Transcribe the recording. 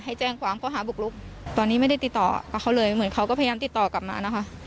แจ้งความเขาหาบุกลุกตอนนี้ไม่ได้ติดต่อกับเขาเลยเหมือนเขาก็พยายามติดต่อกลับมานะคะ